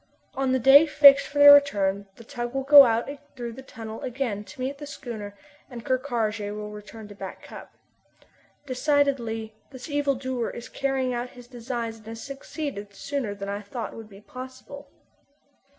On the day fixed for their return the tug will go out through the tunnel again to meet the schooner and Ker Karraje will return to Back Cup. Decidedly, this evildoer is carrying out his designs and has succeeded sooner than I thought would be possible.